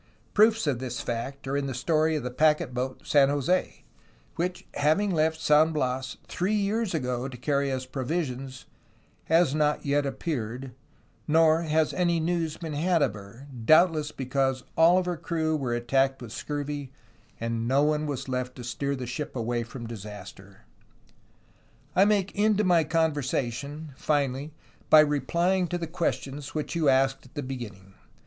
Proofs of this fact are in the story of the packet boat San Jose, which, having left San Bias three years ago to carry us provisions, has not yet appeared, nor has any news been had of her, doubtless because all of her crew were attacked with scurvy, and no one was left to steer the ship away from disaster. "I make end to my conversation, finally, by replying to the questions which you asked at the beginning.